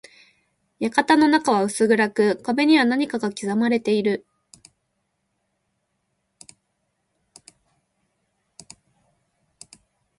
館の中は薄暗く、壁には何かが刻まれている。